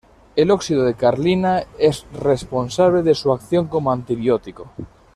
El óxido de carlina es responsable de su acción como antibiótico.